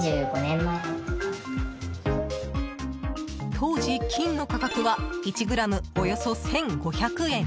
当時、金の価格は１ｇおよそ１５００円。